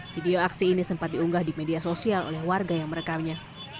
video aksi ini sempat diunggah di media sosial oleh warga yang merekamnya